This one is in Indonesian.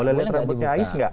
boleh lihat rambutnya ais gak